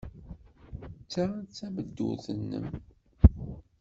Ta d tameddurt-nnem.